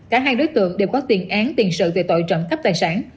cả hai đối tượng đều có tiền án tiền sự về tội trận cấp tài sản